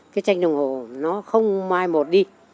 cái tranh đồng hồ nó không mai một đi